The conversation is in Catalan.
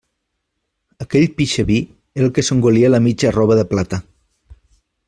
Aquell pixaví era el que s'engolia la mitja arrova de plata.